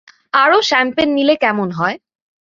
আরো শ্যাম্পেন নিলে কেমন হয়?